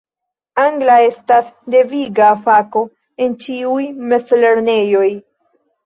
Angla estas deviga fako en ĉiuj mezlernejoj.